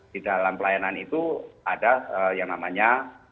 di dalam pelayanan itu ada yang namanya